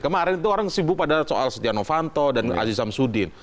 kemarin itu orang sibuk pada soal setia novanto dan aziz samsudin